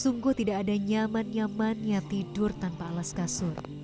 sungguh tidak ada nyaman nyamannya tidur tanpa alas kasur